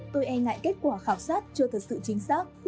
tôi e ngại kết quả khảo sát chưa thật sự chính xác